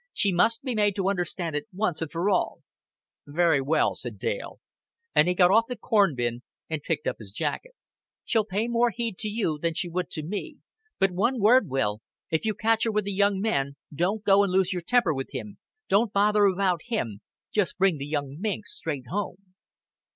She must be made to understand once for all " "Very well," said Dale; and he got off the corn bin and picked up his jacket. "She'll pay more heed to you than she would to me. But, one word, Will. If you catch her with a young man don't go and lose your temper with him. Don't bother about him. Just bring the young minx straight home."